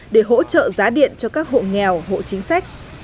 để hỗ trợ giá điện cho các hộ nghèo hộ chính sách